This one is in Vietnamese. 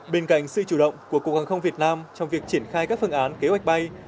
bên cạnh sự chủ động của cục hàng không việt nam trong việc triển khai các phương án kế hoạch bay